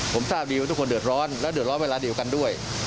ผมทราบดีว่าทุกคนเดือดร้อนและเดือดร้อนเวลาเดียวกันด้วย